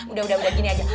udah udah gini aja